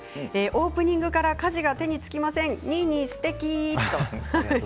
オープニングから家事が手につきませんニーニーすてき！